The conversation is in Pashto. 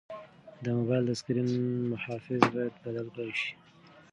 د موبایل د سکرین محافظ باید بدل کړل شي.